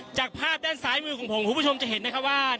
จากภาพด้านซ้ายมือของผมคุณผู้ชมจะเห็นนะคะว่า